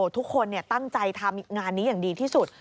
ทุกคนตั้งใจทำงานนี้อย่างดีที่สุด